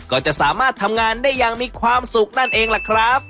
ก็จะสามารถทำงานได้อย่างมีความสุขนั่นเองล่ะครับ